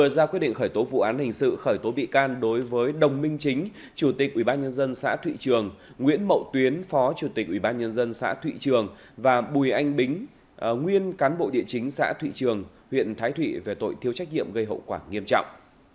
ra quyết định khởi tố vụ án hình sự khởi tố bị can đối với đồng minh chính chủ tịch ubnd xã thụy trường nguyễn mậu tuyến phó chủ tịch ubnd xã thụy trường và bùi anh bính nguyên cán bộ địa chính xã thụy trường huyện thái thụy về tội thiếu trách nhiệm gây hậu quả nghiêm trọng